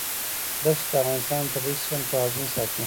دښتې د افغانستان د طبعي سیسټم توازن ساتي.